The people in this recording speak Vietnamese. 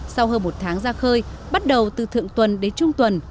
sau hơn một tháng ra khơi bắt đầu từ thượng tuần đến trung tuần